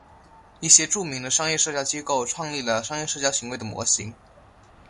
一些著名的商业社交机构创立了商业社交行为的模型。